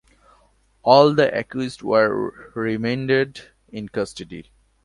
All the accused were remanded in custody.